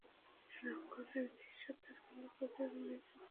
রণাঙ্গনের দৃশ্য তার ভালভাবেই মনে ছিল।